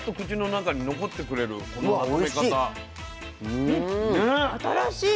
うん新しい。